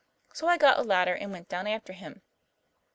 So I got a ladder and went down after him."